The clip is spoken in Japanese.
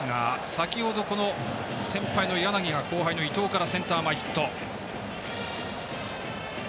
先ほど、先輩の柳が後輩の伊藤からセンター前ヒット。